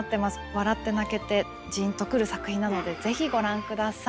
笑って泣けてじんとくる作品なのでぜひご覧下さい。